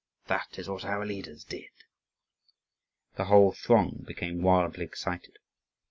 That is what our leaders did." The whole throng became wildly excited.